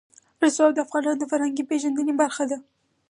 رسوب د افغانانو د فرهنګي پیژندنې برخه ده.